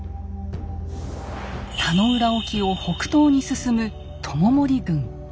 田野浦沖を北東に進む知盛軍。